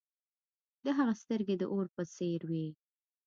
د هغه سترګې د اور په څیر وې.